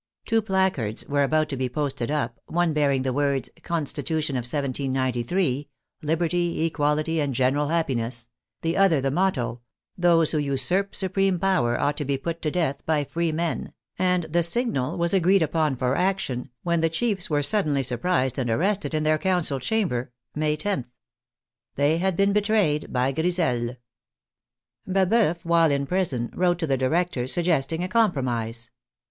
Two placards were about to be posted up, one bearing the words, " Con stitution of 1793, Liberty, Equality, and general happi ness," the other the motto, " Those who usurp supreme power ought to be put to death by freemen," and the signal was agreed upon for action, when the chiefs were suddenly surprised and arrested in their council chamber (May loth). They had been betrayed by GriseL io6 THE FRENCH REVOLUTION Baboeuf, while in prison, wrote to the directors suggest ing a compromise.